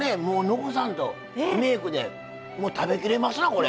残さんとリメークで食べきれますなこれ。